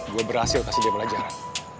gue berhasil kasih dia pelajaran